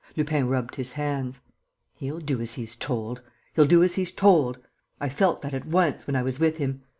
'" Lupin rubbed his hands: "He'll do as he's told!... He'll do as he's told!... I felt that at once, when I was with him.